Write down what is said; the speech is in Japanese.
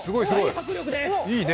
大迫力です。